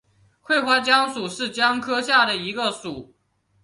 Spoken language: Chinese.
喙花姜属是姜科下的一个属。